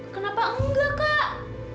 kenapa enggak kak